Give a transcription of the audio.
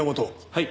はい。